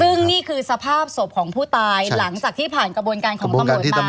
ซึ่งนี่คือสภาพศพของผู้ตายหลังจากที่ผ่านกระบวนการของตำรวจมา